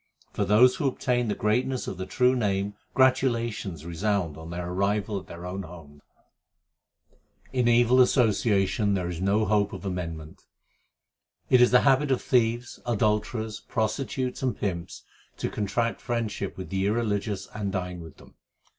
For those who obtain the greatness of the true Name Gratulations resound on their arrival at their own homes. In evil association there is no hope of amendment: It is the habit of thieves, adulterers, prostitutes, and pimps To contract friendship with the irreligious and dine with them.